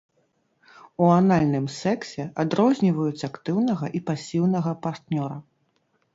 У анальным сексе адрозніваюць актыўнага і пасіўнага партнёра.